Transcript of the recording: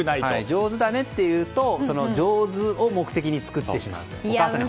上手だねと言うと上手を目的に作ってしまう。